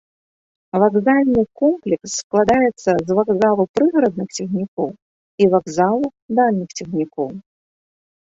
Вакзальны комплекс складаецца з вакзалу прыгарадных цягнікоў і вакзалу дальніх цягнікоў.